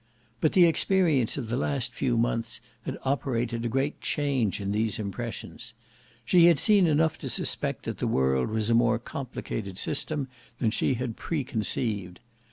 But the experience of the last few months had operated a great change in these impressions. She had seen enough to suspect that the world was a more complicated system than she had preconceived.